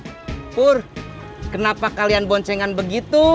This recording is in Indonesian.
pur kenapa kalian boncengan begitu